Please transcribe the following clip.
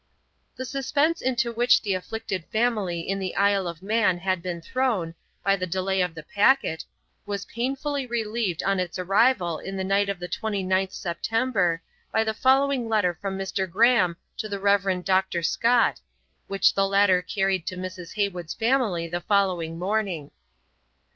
The suspense into which the afflicted family in the Isle of Man had been thrown, by the delay of the packet, was painfully relieved on its arrival in the night of the 29th September, by the following letter from Mr. Graham to the Rev. Dr. Scott, which the latter carried to Mrs. Heywood's family the following morning.